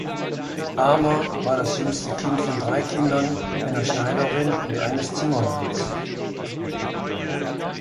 Armer war das jüngste Kind von drei Kindern einer Schneiderin und eines Zimmermanns.